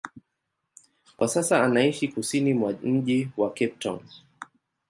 Kwa sasa anaishi kusini mwa mji wa Cape Town.